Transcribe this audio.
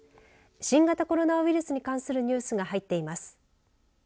新型コロナウイルスに関するニュースが入っています。